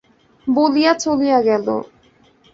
বলিয়া চলিয়া গেল।